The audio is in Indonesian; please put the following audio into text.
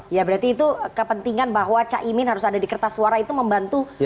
ya berarti itu kepentingan bahwa caimin harus ada di kertas suara itu membantu